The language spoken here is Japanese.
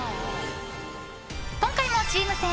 今回もチーム戦！